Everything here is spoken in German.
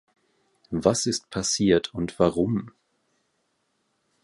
Was ist passiert und warum?